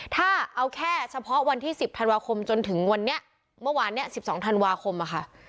ถ้าเอาแค่เฉพาะวันที่๑๐ธันวาคมจนถึงวันนี้เมื่อวานนี้๑๒ธันวาคมอะค่ะ